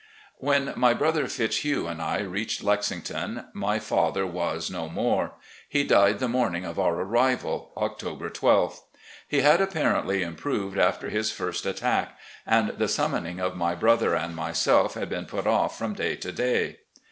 When my brother Fitzhugh and I reached Lexington, my father was no more. He died the mo rning of our arrival — October 12th. He had apparently improved after his first attack, and the summoning of my brother and myself had been put off from day to day.